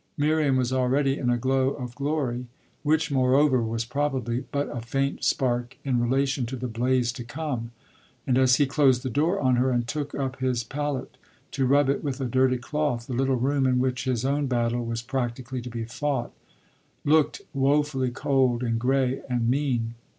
Miriam was already in a glow of glory which, moreover, was probably but a faint spark in relation to the blaze to come; and as he closed the door on her and took up his palette to rub it with a dirty cloth the little room in which his own battle was practically to be fought looked woefully cold and grey and mean.